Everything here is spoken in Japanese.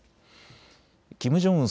キム・ジョンウン